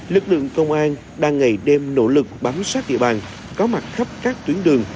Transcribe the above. lực lượng công an đang ngày đêm nỗ lực bám sát địa bàn có mặt khắp các tuyến đường